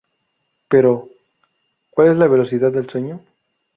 Pero, ¿cuál es la velocidad del sueño?